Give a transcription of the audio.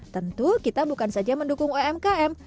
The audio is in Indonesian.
tentu kita bukan saja mendukung umkm